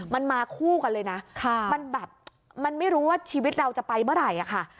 มันมาคู่กันเลยนะมันแบบมันไม่รู้ว่าชีวิตเราจะไปเมื่อไหร่อะค่ะ